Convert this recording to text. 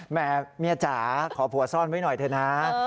แม่เมียจ๋าขอผัวซ่อนไว้หน่อยเถอะนะ